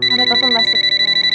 ada telepon mbak suki